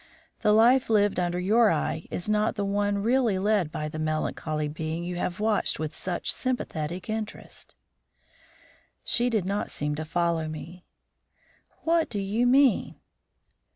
The life lived under your eye is not the one really led by the melancholy being you have watched with such sympathetic interest." She did not seem to follow me. "What do you mean?"